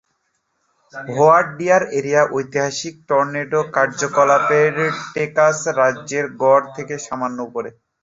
White Deer area ঐতিহাসিক tornado কার্যকলাপ Texas রাজ্যের গড় থেকে সামান্য উপরে।